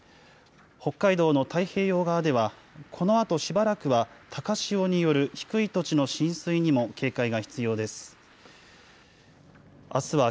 北海道の太平洋側では、このあとしばらくは高潮による低い土地の浸水にも警戒が必要です。